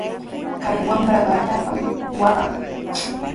Kay wamraqa allaapami waqan.